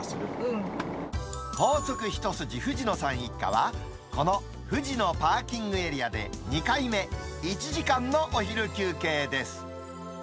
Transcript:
高速一筋藤野さん一家は、この藤野パーキングエリアで２回目、１時間のお昼休憩です。